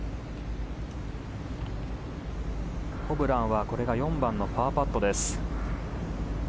ホブランはこれが４番のパーパット。